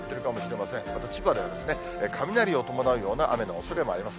また千葉では、雷を伴うような雨のおそれもあります。